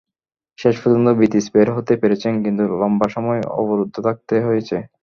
শেষ পর্যন্ত ভিদিচ বের হতে পেরেছেন, কিন্তু লম্বা সময় অবরুদ্ধ থাকতে হয়েছে।